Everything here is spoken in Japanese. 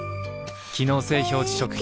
機能性表示食品